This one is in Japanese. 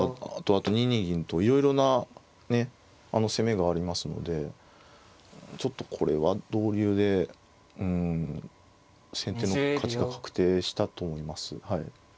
あと２二銀といろいろな攻めがありますのでちょっとこれは同竜でうん先手の勝ちが確定したと思います。